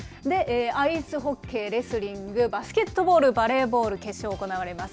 アイスホッケー、レスリング、バスケットボール、バレーボール、決勝行われます。